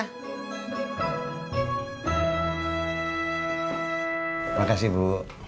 terima kasih bu